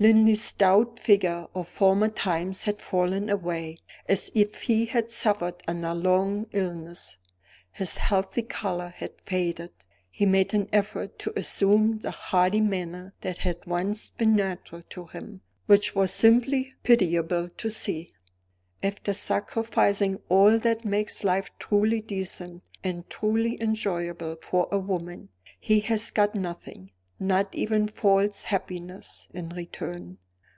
Linley's stout figure of former times had fallen away, as if he had suffered under long illness; his healthy color had faded; he made an effort to assume the hearty manner that had once been natural to him which was simply pitiable to see. "After sacrificing all that makes life truly decent and truly enjoyable for a woman, he has got nothing, not even false happiness, in return!"